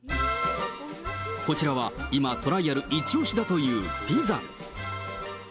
こちらは今、トライアル一押しだというピザ。